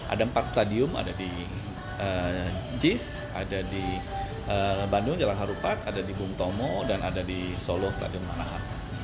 ada empat stadion ada di jis ada di bandung jalan harupat ada di bung tomo dan ada di solo stadion manahan